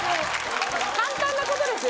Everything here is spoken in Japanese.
簡単なことですよ